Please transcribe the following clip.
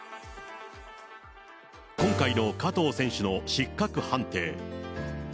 今回の加藤選手の失格判定。